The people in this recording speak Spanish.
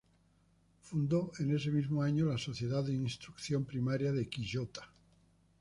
Fundó en ese mismo año la Sociedad de Instrucción Primaria de Quillota.